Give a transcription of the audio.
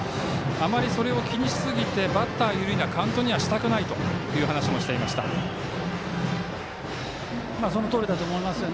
あまり、それを気にしすぎてバッター有利なカウントにはしたくないというそのとおりだと思います。